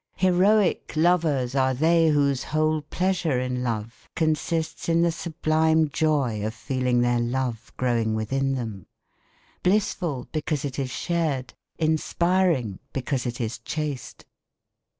Heroic lovers are they whose whole pleasure in love consists in the sublime joy of feeling their love growing within them, blissful because it is shared, inspiring because it is chaste.